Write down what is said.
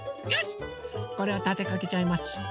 これをたてかけちゃいます。